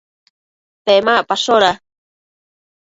Pemacpashoda